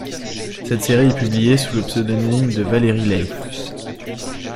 Cette série est publiée sous le pseudonyme de Valery Leith.